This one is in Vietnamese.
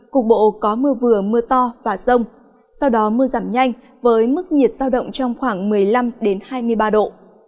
cục bộ có mưa vừa mưa to và rông sau đó mưa giảm nhanh với mức nhiệt giao động trong khoảng một mươi năm hai mươi ba độ